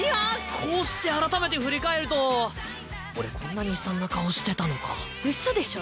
こうして改めて振り返ると俺こんなに悲惨な顔してたのかうそでしょ？